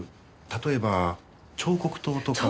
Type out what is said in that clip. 例えば彫刻刀とか。